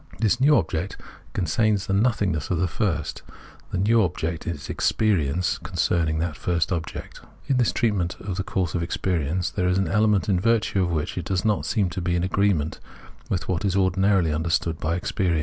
This new object contains the nothingness of the first ; the new object is the experience concerning that first object. In this treatment of the course of experience, there is an element in virtue of which, it does not seem to be in agreement with what is ordinarily understood by experience.